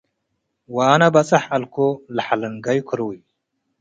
ወአነ በጹሕ ዐልኮ ለሐልንጋዩ ክሩይ